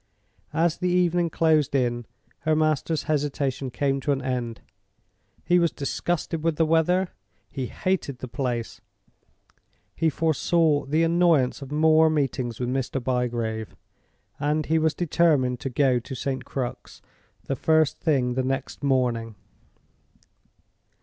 As the evening closed in, her master's hesitation came to an end. He was disgusted with the weather; he hated the place; he foresaw the annoyance of more meetings with Mr. Bygrave, and he was determined to go to St. Crux the first thing the next morning.